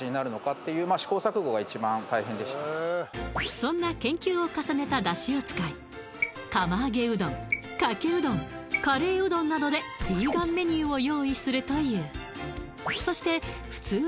そんな研究を重ねただしを使い釜揚げうどんかけうどんカレーうどんなどでするという